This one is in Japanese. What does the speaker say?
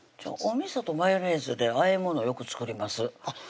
おみそとマヨネーズであえ物よく作ります